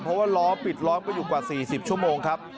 เพราะว่าล้อปิดล้อมไปอยู่กว่า๔๐ชั่วโมงครับ